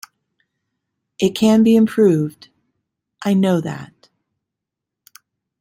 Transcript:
It can be improved; I know that.